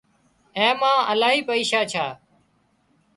اين مان الاهي پئيشا ڇا